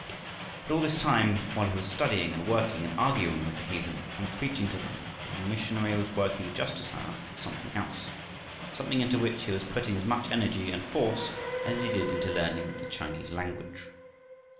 And all this time, while he was studying and working and arguing with the heathen and preaching to them, the young missionary was working just as hard at something else; something into which he was putting as much energy and force as he did into learning the Chinese language.